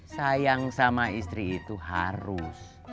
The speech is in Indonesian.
sayang sama istri itu harus